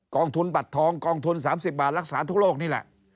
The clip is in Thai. องทุนบัตรทองกองทุน๓๐บาทรักษาทุกโลกนี่แหละ